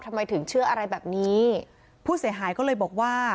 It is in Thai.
ทำไมถึงเชื่ออะไรแบบนี้ผู้เสียหายก็เลยบอกว่า